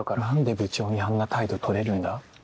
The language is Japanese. なんで部長にあんな態度とれるんだ？